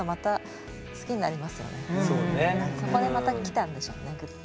そこでまたきたんでしょうねグッと。